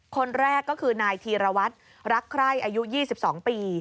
คนแรกก็คือนายธีรวัตรรักใคร่อายุ๒๒ปี